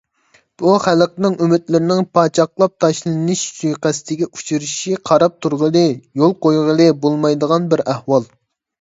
بۇ خەلقنىڭ ئۈمىدلىرىنىڭ پاچاقلاپ تاشلىنىش سۇيىقەستىگە ئۇچرىشى قاراپ تۇرغىلى، يول قويغىلى بولمايدىغان بىر ئەھۋال.